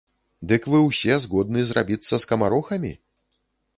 Дык вы ўсе згодны зрабіцца скамарохамі?